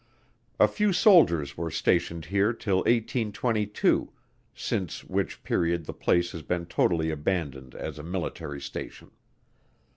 A few soldiers were stationed here till 1822, since which period the place has been totally abandoned as a military station.